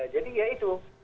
jadi ya itu